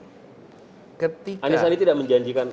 anies anies tidak menjanjikan